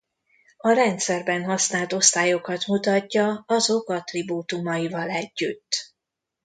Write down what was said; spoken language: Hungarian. A rendszerben használt osztályokat mutatja azok attribútumaival együtt.